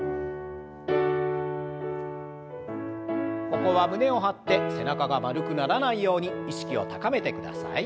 ここは胸を張って背中が丸くならないように意識を高めてください。